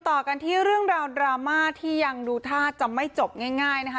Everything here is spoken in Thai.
ต่อกันที่เรื่องราวดราม่าที่ยังดูท่าจะไม่จบง่ายนะคะ